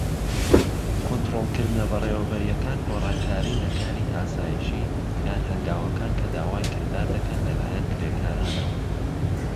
کۆنتڕۆڵکردنە بەڕێوبەریەکان گۆڕانکارین لە کاری ئاسیشی یان هەنگاوەکان کە داوای کردار دەکەن لەلایەن کرێکارانەوە.